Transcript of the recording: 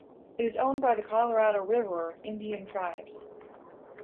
It is owned by the Colorado River Indian Tribes.